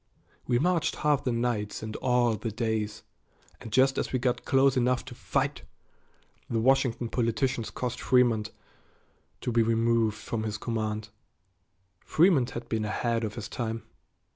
We marched half the nights and all the days and just as we got close enough to fight, the Washington politicians caused Frémont to be removed from his command. Frémont had been ahead of his time.